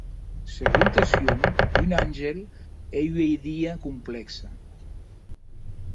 Segontes Hume, un àngel ei ua idia complèxa.